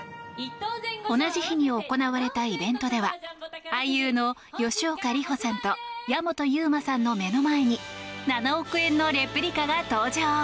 同じ日に行われたイベントでは俳優の吉岡里帆さんと矢本悠馬さんの目の前に７億円のレプリカが登場。